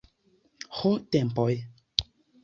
Ho, tempoj!